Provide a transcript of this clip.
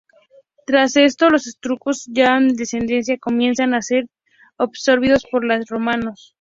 Tras esto, los etruscos, ya en decadencia, comienzan a ser absorbidos por los romanos.